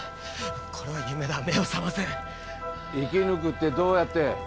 これは夢だ目を覚ませ生き抜くってどうやって？